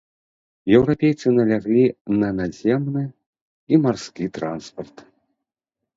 Еўрапейцы наляглі на наземны і марскі транспарт.